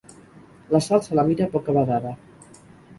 La Sal se la mira bocabadada.